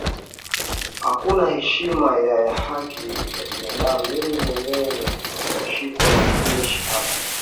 hakuna heshima ya ya haki ya binadamu mimi mwenyewe nilishikwa na majeshi hapo